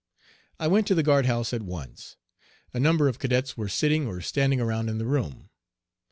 I went to the guard house at once. A number of cadets were sitting or standing around in the room.